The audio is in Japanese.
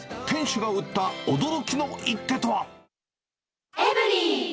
店主が打った驚きの一手とは。